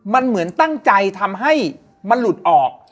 มันเหมือนตั้งใจทำให้มันหลุดออก